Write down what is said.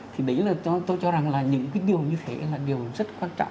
thì đấy là tôi cho rằng là những cái điều như thế là điều rất quan trọng